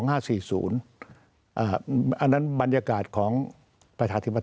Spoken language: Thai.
อันนั้นบรรยากาศของประชาธิบัติ